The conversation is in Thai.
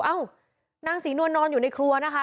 เอ้านางศรีนวลนอนอยู่ในครัวนะคะ